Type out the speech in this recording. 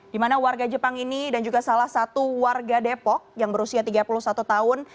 di mana warga jepang ini dan juga salah satu warga depok yang berusia tiga puluh satu tahun